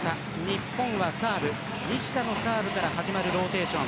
日本はサーブ西田のサーブから始まるローテーション。